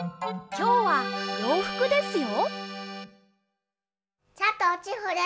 きょうはようふくですよ。